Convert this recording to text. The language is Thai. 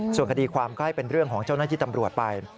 ส่วนคดีความก็ให้เป็นเรื่องของเจ้าหน้าที่ตำรวจไป